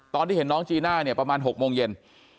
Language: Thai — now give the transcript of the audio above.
ตอนที่เห็นน้องจีน่าเนี่ยประมาณ๖โมงเย็น